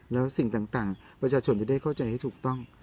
แล้วสิ่งต่างประชาชนจะได้เข้าใจให้ถูกต้อง